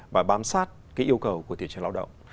và bám sát cái yêu cầu của thị trường lao động